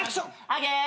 アゲー！